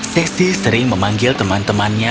sesi sering memanggil teman temannya